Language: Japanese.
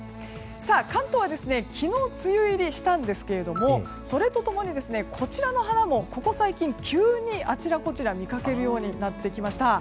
関東は昨日、梅雨入りしたんですがそれと共に急にこちらの花も、ここ最近あちらこちらで見かけるようになってきました。